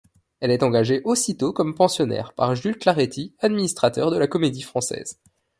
Elle est engagée aussitôt comme pensionnaire par Jules Claretie, administrateur de la Comédie-Française.